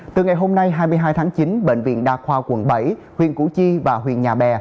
từ ngày hôm nay hai mươi hai tháng chín bệnh viện đa khoa quận bảy huyện củ chi và huyện nhà bè